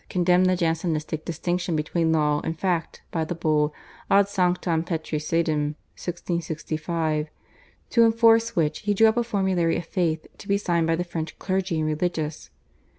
condemned the Jansenistic distinction between law and fact by the Bull, /Ad Sanctam Petri Sedem/ (1665), to enforce which he drew up a formulary of faith to be signed by the French clergy and religious.